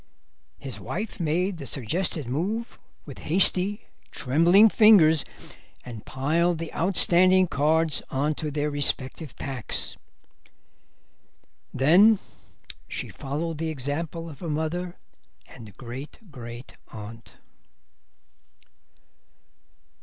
His wife made the suggested move with hasty, trembling fingers, and piled the outstanding cards on to their respective packs. Then she followed the example of her mother and great grand aunt.